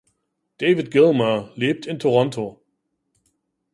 David Gilmour lebt in Toronto.